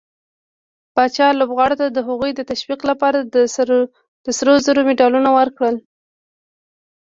پاچا لوبغارو ته د هغوي د تشويق لپاره د سروزرو مډالونه ورکړل.